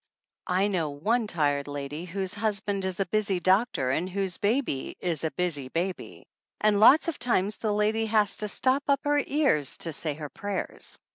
I know one tired lady whose husband is a busy doctor and whose baby is a busy baby, and lots of times the lady has to stop up her ears to say her prayers.